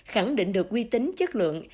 khẳng định được quy tính chất lượng